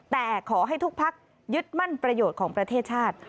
แต่ขอให้ทุกพักยึดมั่นประโยชน์ของประเทศชาติ